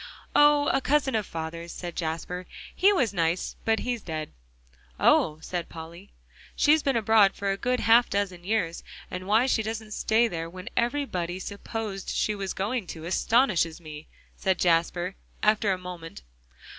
"Oh! a cousin of father's," said Jasper. "He was nice, but he's dead." "Oh!" said Polly. "She's been abroad for a good half dozen years, and why she doesn't stay there when everybody supposed she was going to, astonishes me," said Jasper, after a moment.